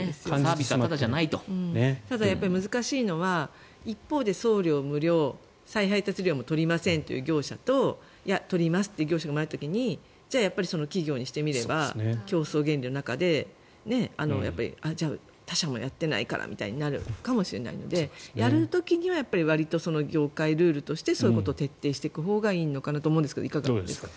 一方で難しいのは一方で送料無料再配達料も取りませんという業者と取りますという業者がいた時にじゃあ企業にしてみれば競争原理の中で他社もやっていないからみたいになるかもしれないのでやる時にはわりと業界ルールとしてそういうことを徹底していくほうがいいのかなと思うんですがいかがですか。